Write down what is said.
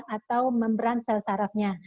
atau memberan sel sel sarafnya